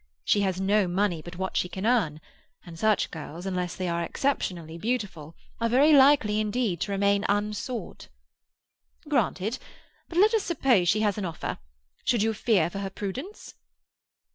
She has no money but what she can earn, and such girls, unless they are exceptionally beautiful, are very likely indeed to remain unsought." "Granted. But let us suppose she has an offer. Should you fear for her prudence?"